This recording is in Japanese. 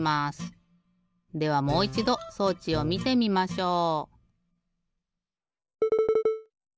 ではもういちど装置をみてみましょう！